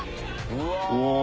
うわ！